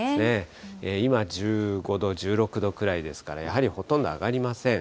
今１５度、１６度ぐらいですから、やはりほとんど上がりません。